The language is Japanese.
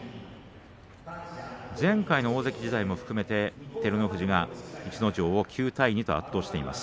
前回の大関時代も含めて照ノ富士が逸ノ城を圧倒しています。